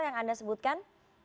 yang anda sebutkan